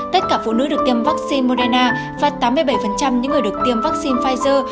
tất cả phụ nữ được tiêm vaccine modana và tám mươi bảy những người được tiêm vaccine pfizer